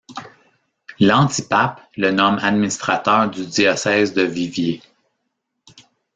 L'antipape le nomme administrateur du diocèse de Viviers.